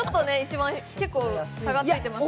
結構、差がついてますけど。